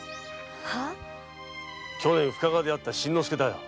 去年深川で会った新之助だよ。